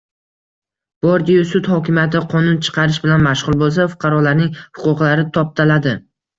Bordi-yu, sud hokimiyati qonun chiqarish bilan mashg‘ul bo‘lsa, fuqarolarning huquqlari toptaladi.